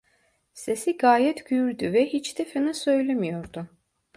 Sesi gayet gürdü ve hiç de fena söylemiyordu.